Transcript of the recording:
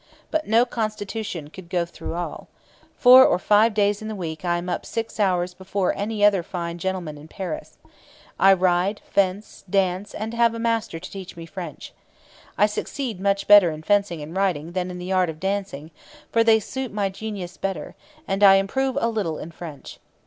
But no constitution could go through all. Four or five days in the week I am up six hours before any other fine gentleman in Paris. I ride, fence, dance, and have a master to teach me French. I succeed much better in fencing and riding than in the art of dancing, for they suit my genius better; and I improve a little in French.